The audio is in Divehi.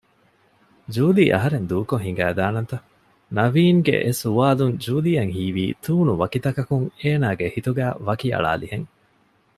ޖޫލީ އަހަރެން ދޫކޮށް ހިނގައިދާނަންތަ؟ ނަވީންގެ އެސުވާލުން ޖޫލީއަށް ހީވީ ތޫނުވަކިތަކަކުން އޭނާގެ ހިތުގައި ވަކިއަޅާލިހެން